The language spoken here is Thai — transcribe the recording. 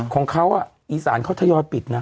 ของเขาอีสานเขาทยอยปิดนะ